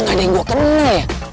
gak ada yang gue kena ya